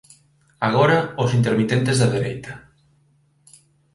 Agora, os intermitentes da dereita